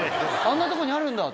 あんなとこにあるんだ！